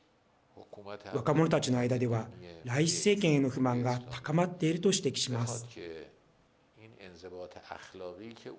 若者たちの間ではライシ政権への不満が高まっていると指摘します。